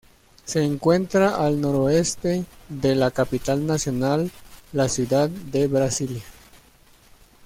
Se encuentra al noroeste de la capital nacional la ciudad de Brasilia.